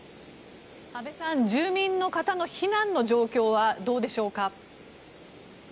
阿部さん、住民の方の避難の状況はいかがでしょうか。